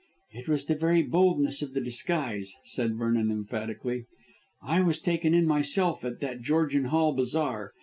"It was the very boldness of the disguise," said Vernon emphatically. "I was taken in myself at that Georgian Hall Bazaar.